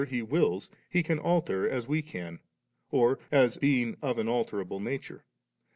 He wills. He can alter as we can, as being of an alterable nature.